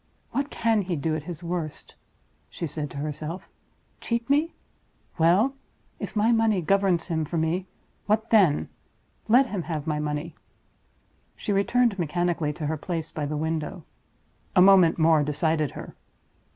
"What can he do at his worst?" she said to herself. "Cheat me. Well! if my money governs him for me, what then? Let him have my money!" She returned mechanically to her place by the window. A moment more decided her.